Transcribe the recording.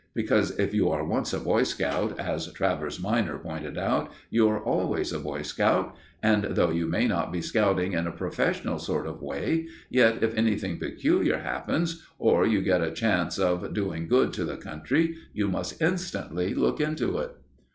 Because, if you are once a Boy Scout, as Travers minor pointed out, you are always a Boy Scout, and though you may not be scouting in a professional sort of way, yet, if anything peculiar happens, or you get a chance of doing good to the country, you must instantly look into it.